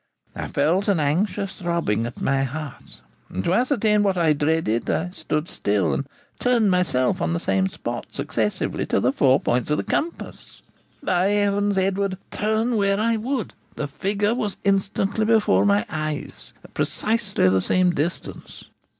I felt an anxious throbbing at my heart, and to ascertain what I dreaded, I stood still and turned myself on the same spot successively to the four points of the compass. By Heaven, Edward, turn where I would, the figure was instantly before my eyes, at precisely the same distance!